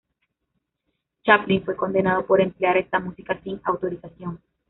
Chaplin fue condenado por emplear esta música sin autorización.